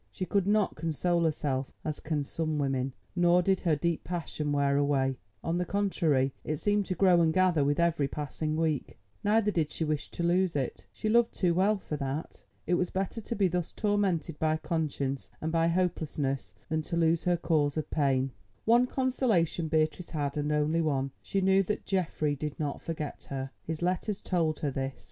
She could not console herself as can some women, nor did her deep passion wear away; on the contrary, it seemed to grow and gather with every passing week. Neither did she wish to lose it, she loved too well for that. It was better to be thus tormented by conscience and by hopelessness than to lose her cause of pain. One consolation Beatrice had and one only: she knew that Geoffrey did not forget her. His letters told her this.